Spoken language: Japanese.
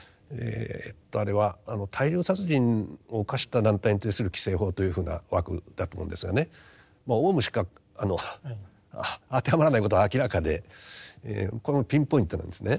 あれは大量殺人を犯した団体に対する規制法というふうな枠だと思うんですがねオウムしか当てはまらないことは明らかでこのピンポイントなんですね。